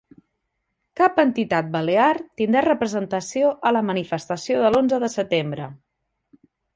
Cap entitat balear tindrà representació a la manifestació de l'Onze de Setembre